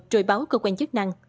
rồi báo cơ quan chức năng